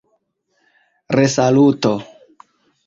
resaluto